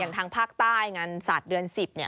ทางภาคใต้งานศาสตร์เดือน๑๐เนี่ย